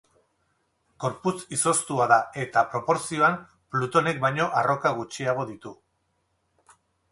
Gorputz izoztua da, eta, proportzioan, Plutonek baino arroka gutxiago ditu.